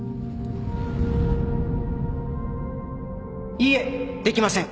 いいえできません。